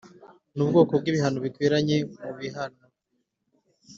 n ubwoko bw igihano bikwiranye mu bihano